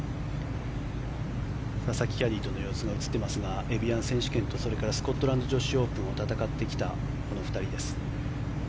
佐々木キャディーとの様子が映っていますがエビアン選手権とそれからスコットランド女子オープンを戦ってきたこの２人です。